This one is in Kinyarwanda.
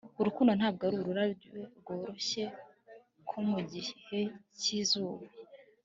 Urukundo ntabwo arurabyo rworoshye ko mugihe cyizuba